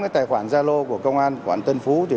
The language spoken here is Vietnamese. tài khoản gia lô của công an quận tân phú